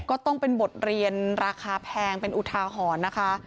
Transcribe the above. ก็ต้องเป็นบทเรียนราคาแพงเป็นอุทาหรณ์นะคะ